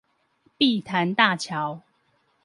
碧潭大橋